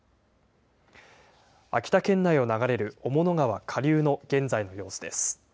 秋田県内を流れる雄物川下流の現在の様子です。